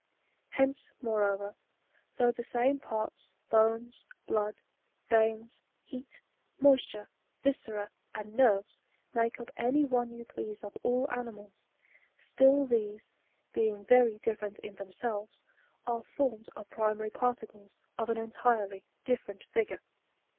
Hence, moreover, though the ^BjnQ parts, bones, blood, veins, heat, moisture, viscera, and nerves, make up any one you please of all animals, still these, being very different in themselves, are formed of pri maiy particles of an enHrely different figure.